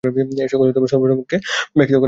এ সকল সর্বসমক্ষে ব্যক্ত করা বিধেয় নহে।